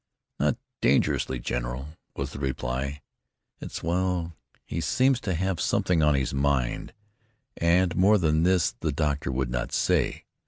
"Not dangerously, general," was the reply. "It's well, he seems to have something on his mind." And more than this the doctor would not say.